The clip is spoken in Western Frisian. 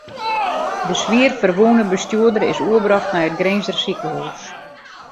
De swier ferwûne bestjoerder is oerbrocht nei it Grinzer sikehús.